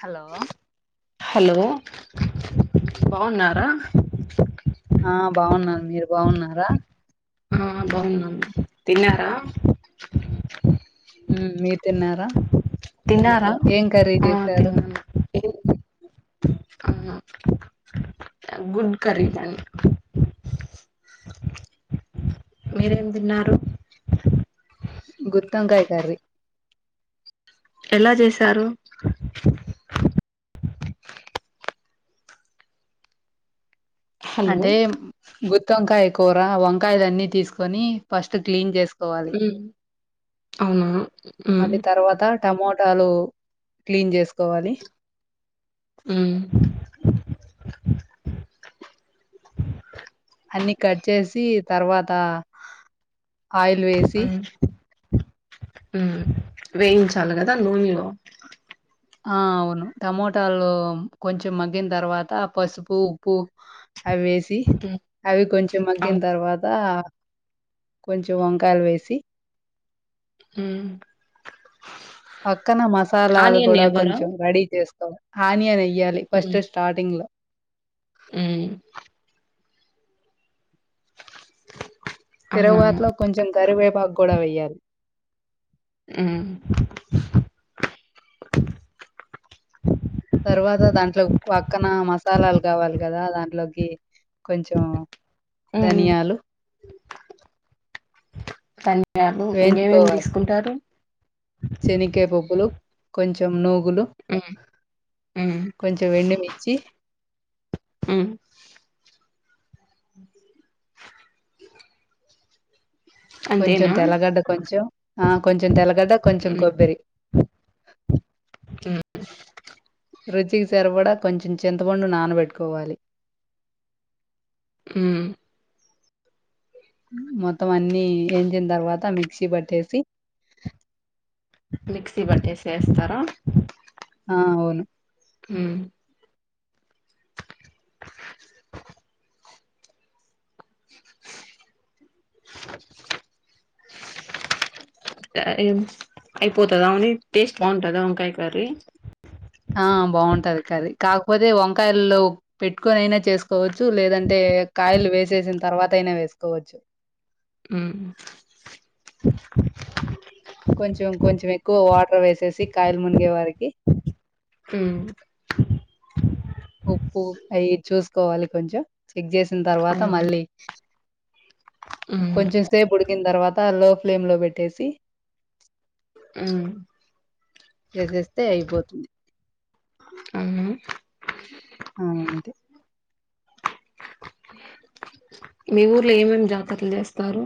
Hello hello బాగున్నారా ఆ బాగున్నారు మీరు బాగున్నారా ఆ బాగుంన్నమ్ తిన్నారా ఉమ్ మీరు తిన్నారా తిన్నారా ఏం కర్రీ ఆ చేశారు అవునా గుడ్ కరీసు అండి మీరేం తిన్నారు గుతోంకాయ్ కర్రీ ఎలా చేసారు హలో అంటే గుత్తి వంకాయ కూర వంకాయలు అన్ని తీసుకొని ఫస్ట్ క్లీన్ చేసు పోవాలి ఉమ్ అవునా ఉమ్ మళ్ళీ తర్వాత టమోటాలు క్లీన్ చేసుకోవాలి హు అన్ని కట్ చేసి తర్వాత ఆయిల్ వేసి ఉమ్ వేయించాలి కదా నూనెలో ఆ అవును టమోటాలు కొంచెం మగ్గిన తర్వాత పసుపు ఉప్పు అవి వేసి ఉమ్ అవి కొంచెం మగ్గిన అవును తర్వాత కొంచెం వంకాయలు వేసి హు పక్కనే మసాలాలు కూడా ఎవ్వరా కొంచెం రెడీ చేస్తాం ఆనియన్ [unintelligible] ఎయ్యాలి ఫస్ట్ స్టార్టింగ్ లో ఊ అవునవును తిరుగువాతిలో కొంచెం గరివేపాకు కూడ వెయ్యాలి హు తర్వాత దాంట్లో పక్కన మసాలాలు కావాలి కదా దాంట్లోకి కొంచెం ఉమ్ ధనియాలు ధన్యయాలు ఇంకేమేమి తీసుకుంటారు చనికాయ్పప్పులు కొంచెం నూ కులు ఉమ్ ఉమ్ కొంచం ఎండు మిర్చి ఉ కొంచెం తెల్లగడ్డ కొంచెం ఆ కొంచెం తెల్లగడ్డ కొంచెం మ్మ్ కొబ్బరి [inaudible] ఉ రుచికి సరపడ కొంచెం చింతపండు నానబెట్టుకోవాలి ఊ మొత్తం అన్ని ఎంచిన తర్వాత మిక్సీ పట్టేసి మిక్సీ పట్టేసేస్తారా ఆ అవును హు [unintelligible] [unintelligible] అయిపోతుంద టేస్ట్ బాగుంటదా వంకాయ్ కర్రీ ఆ బాగుంటది కర్రీ కాకపోతే వంకాయల్లో పెట్టుకొనియినా చేసుకోవచ్చు లేదంటే కాయలు వేసేసిన తర్వాత అయిన వేసుకోవచ్చు హు కొంచెం కొంచెం ఎక్కువ వాటర్ వేసేసి కాయలు మునిగే వారికి మ్మ్ వాలి కొంచెం చెక్ చేసిన తర్వాత అవును మళ్ళీ మ్మ్ కొంచెం సేపు కిిన తర్వాత లో ఫ్లేమ్ లో పెట్టేసి మ్మ్ చేసేస్తే అయిపోతుంది ఆ ఆ అంటే [unintelligible] మీ ఊర్లో ఏమేమి జాతరలు చేస్తారు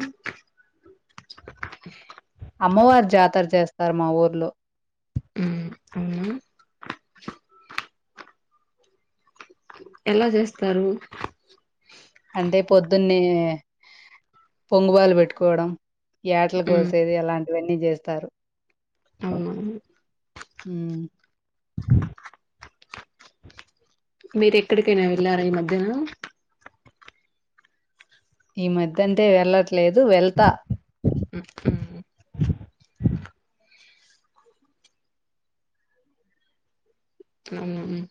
అమ్మవారి జాతర చేస్తారు మా ఊర్లో మ్మ్ అవునా ఎలా చేస్తారు అంటే పొద్దున్నే పొంగువాలు పెట్టుకోవడం యాటలు మ్మ్ కోసేది అలాంటివన్నీ చేస్తారు అవునా మ్మ్ మీరు ఎక్కడికైనా వెళ్ళారా ఈ మధ్యన ఈ మధ్య అంటే ఎళ్లట్లేదు వెళ్తా [unintelligible] మ్మ్ హ్మ్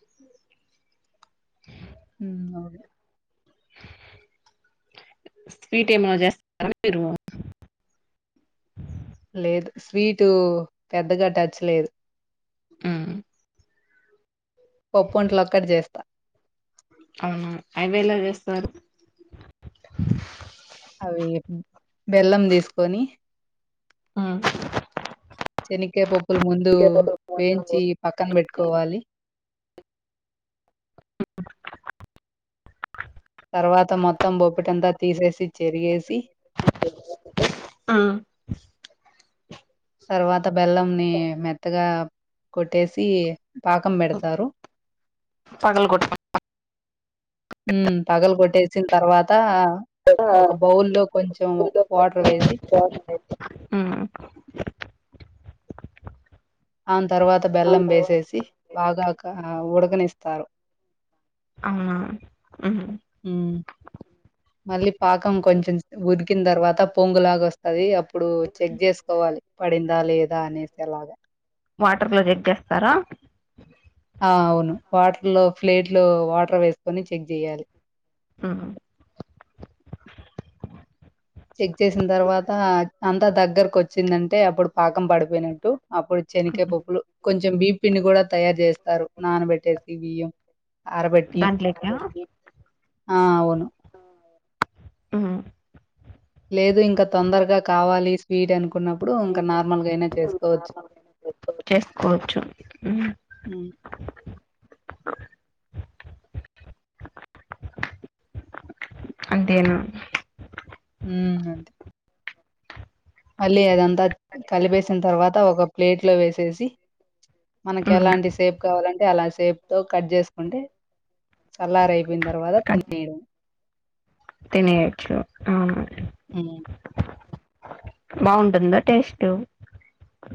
మ్మ్ అవును స్వీటు ఏమైనా చేస్తారా మీరు లేదు స్వీటు పెద్దగా టచ్ లేదు మ్మ్ పప్పొంటలొక్కటి జేస్తా. అవునా అవేలా చేేస్తారు [unintelligible] అవి బెల్లం తీసుకొని మ్మ్ చెనిక్కాయ పప్పులు ముందు వేయించి పక్కన పెట్టుకోవాలి అ తర్వాత మొత్తం బొప్పటంతా తీసేసి చెరిగేసి తర్వాత బెల్లంని మెత్తగా కొట్టేసి పాకం పెడతారు పగలగొట్ మ్మ్ పగలు కొట్టేసిన తర్వాత ఒక బౌల్ లో కొంచెం వాటర్ వేసి ఉమ్ ఆని తర్వాత బెల్లం వేసేసి బాగా ఉడకనిస్తారు అవునా హ్మ్మ్ మళ్ళీ పాకం కొంచెం ఉ డికినా తర్వాత పొంగు లాగా వస్తది అప్పుడు చెక్ చేసుకోవాలి పడిందా లేదా అనేేసే లాగా వాటర్ లో చెక్ చేస్తారా ఆ! అవును వాటర్ లో ఫ్లేట్ లో వాటర్ వేసుకొని చెక్ చెయ్యాలి మ్మ్ చెక్ చేసిన తర్వాత అంతా దగ్గరకు వచ్చిందంటే అప్పుడు పాకం పడిపోయినట్టు అప్పుడు చెనిక్కాయ పప్పులు కొంచెం బీం పిండి కూడా తయారు చేస్తారు నానబెట్టేసి బియ్యం ఆరబెట్టి. దాంట్లేకా ఆ అవును మ్మ్ లేదు కున్నప్పుడు ఇంకా నార్మల్గా అయినా చేసుకోవచ్చు హ్మ్. [inaudible] అంతేనా మ్మ్ అంతే మళ్ళీ అదంతా కలిపేసిన తర్వాత ఒక ప్లేట్ లో వేసేసి మనకి ఉమ్ ఎలాంటి సేప్ కావాలంటే అలా సేప్ తో కట్ చేసుకుంటే సల్లారాయిపోయిన తర్వాత తినేయండి తినేయొచ్చు అవును ఉమ్ బాగుంటుందా టెస్టు?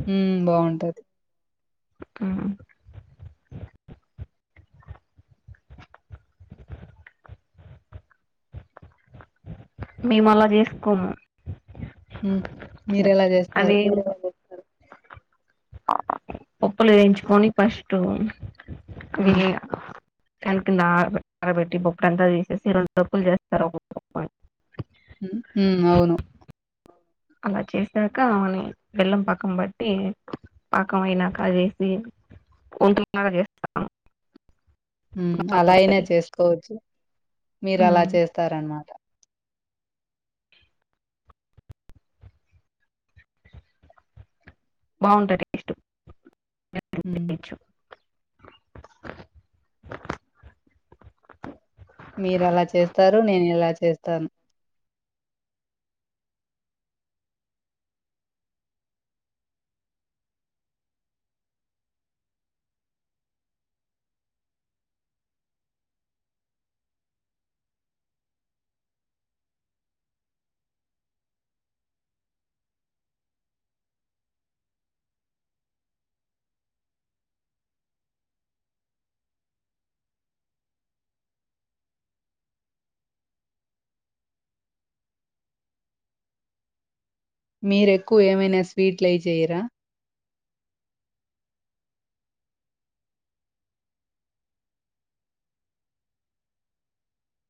హ్మ్ బాగుంటది. ఉమ్ మేము అలా చేసుకోము. మీర ఎలా అవి చేస్తారు? పప్పులు వేయించుకొని ఫస్ట్ హ్మ్. విగా ఫ్యాన్ కింద ఆరబెట్టి బొప్పుట్ అంతా తీసేసి రెండు బొప్పులు చేస్తారు ఒక బొప్పు అని ఉమ్ అవును అలా చేసాక అని బెల్లం పాకం బట్టి పాకం అయినాక అవి ఏసి ఉంటున్నగా చేస్తాను. ఉమ్ అలా అయినా చేసుకోవచ్చు మీరు అలా చేస్తారనమాట బాగుంటాయి టేస్టు హ్మ్ మీరు అలా చేస్తారు నేను ఇలా చేస్తాను. మీరెక్కువ ఏమైనా స్వీట్లై చేయరా?